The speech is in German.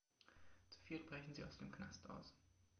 Zu viert brechen sie aus dem Knast aus.